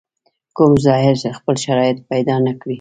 کوم ژانر خپل شرایط پیدا نکړي.